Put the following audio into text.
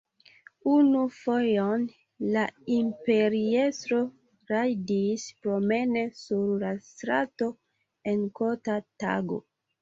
Unu fojon la imperiestro rajdis promene sur la strato en kota tago.